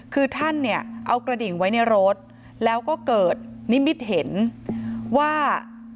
คือท่านเนี่ยเอากระดิ่งไว้ในรถแล้วก็เกิดนิมิตเห็นว่า